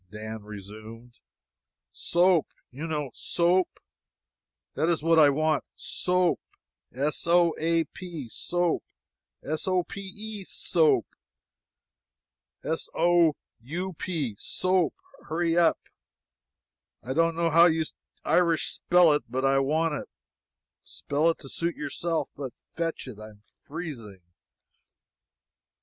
Dan resumed: "Soap, you know soap. That is what I want soap. S o a p, soap; s o p e, soap; s o u p, soap. Hurry up! I don't know how you Irish spell it, but I want it. Spell it to suit yourself, but fetch it. I'm freezing."